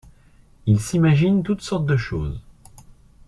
Il s’imagine toutes sortes de choses.